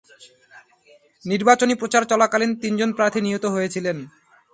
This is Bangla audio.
নির্বাচনী প্রচার চলাকালীন তিন জন প্রার্থী নিহত হয়েছিলেন।